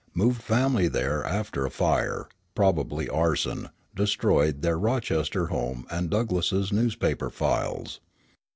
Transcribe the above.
[Moved family there after a fire (probably arson) destroyed their Rochester home and Douglass's newspaper files.